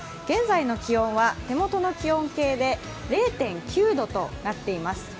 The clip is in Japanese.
現在の気温は手元の気温計で０．９度となっています。